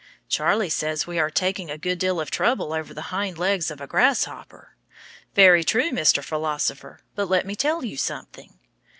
Charlie says we are taking a good deal of trouble over the hind legs of a grasshopper. Very true, Mr. Philosopher, but let me tell you something.